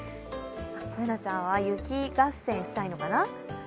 Ｂｏｏｎａちゃんは雪合戦したいのかな？